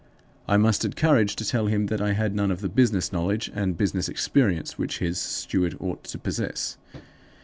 I mustered courage to tell him that I had none of the business knowledge and business experience which his steward ought to possess.